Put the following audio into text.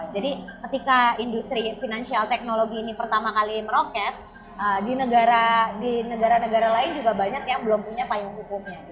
jadi ketika industri finansial teknologi ini pertama kali meroket di negara negara lain juga banyak yang belum punya payung hukumnya